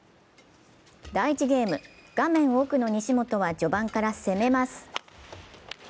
第１ゲーム、画面奥の西本は序盤から攻めます。